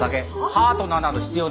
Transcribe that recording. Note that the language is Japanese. パートナーなど必要ない。